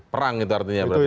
perang itu artinya berarti